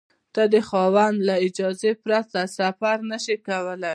ته د خاوند له اجازې پرته سفر نشې کولای.